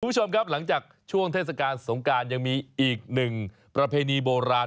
คุณผู้ชมครับหลังจากช่วงเทศกาลสงการยังมีอีกหนึ่งประเพณีโบราณ